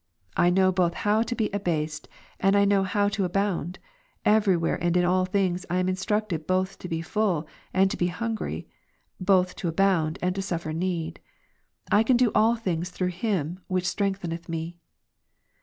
^^'/ know both how to be abased, and I know how to abound ; every ivhere and in all things I am instructed both to be fully and to be hungry; both to abound, and to suffer need. I can do all things through Him which strengtheneth me.